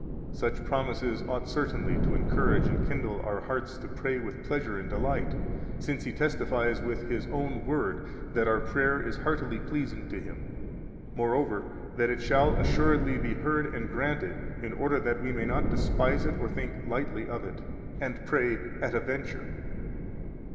20 Such promises ought certainly to encourage and kindle our hearts to pray with pleasure and delight, since He testifies with His [own] word that our prayer is heartily pleasing to Him, moreover, that it shall assuredly be heard and granted, in order that we may not despise it or think lightly of it, and pray at a venture.